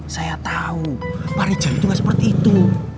saya tahu pak rijal itu kan seperti itu